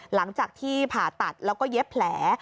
หลังจากที่ผ่าตัดแล้วก็เย็บแผล